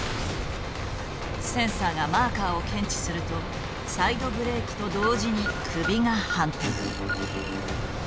センサーがマーカーを検知するとサイドブレーキと同時に首が反転。